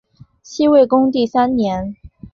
西魏恭帝三年。